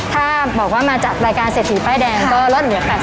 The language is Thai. ถ้าบอกว่ามาจากรายการเศรษฐีป้ายแดงก็ลดเหลือ๘๐๐